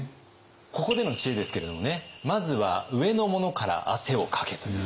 ここでの知恵ですけれどもね「まずは上の者から汗をかけ！」という知恵。